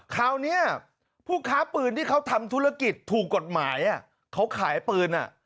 คราวนี้ผู้ค้าปืนที่เขาทำธุรกิจถูกกฎหมายเขาขายปืน